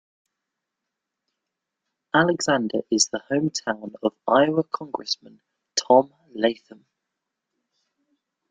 Alexander is the hometown of Iowa Congressman Tom Latham.